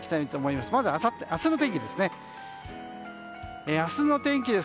まず、明日の天気です。